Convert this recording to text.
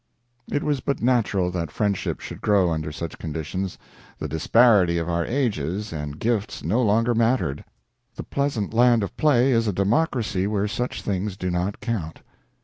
It was but natural that friendship should grow under such conditions. The disparity of our ages and gifts no longer mattered. The pleasant land of play is a democracy where such things do not count.